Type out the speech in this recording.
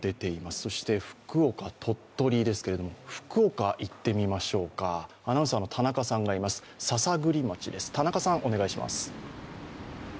そして福岡、鳥取ですけれども、福岡に行ってみましょう、アナウンサーの田中さん、篠栗町です。